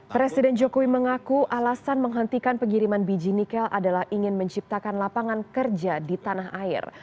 presiden jokowi mengaku alasan menghentikan pengiriman biji nikel adalah ingin menciptakan lapangan kerja di tanah air